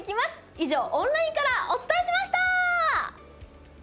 以上、オンラインからお伝えしました。